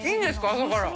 朝から。